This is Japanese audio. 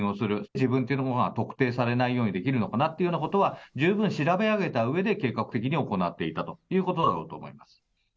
自分というものが特定されないようにできるのかなっていうようなことは、十分調べ上げたうえで、計画的に行っていたということだろうと思います。